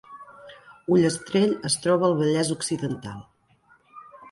Ullastrell es troba al Vallès Occidental